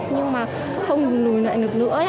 nhưng mà không lùi lại được nữa